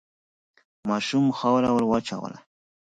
ماشوم خاوره وواچوله.